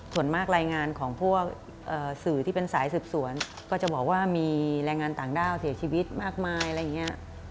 ส่วนมากรายงานของพวกสื่อที่เป็นสายสืบสวนก็จะบอกว่ามีแรงงานต่างด้าวเสียชีวิตมากมายอะไรอย่างนี้